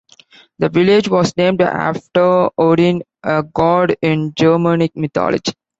The village was named after Odin, a god in Germanic mythology.